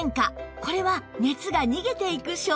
これは熱が逃げていく証拠！